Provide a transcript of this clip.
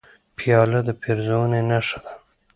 پیاله د پیرزوینې نښه ده.